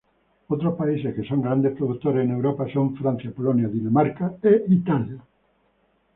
Otros países que son grandes productores en Europa son Francia, Polonia, Dinamarca e Italia.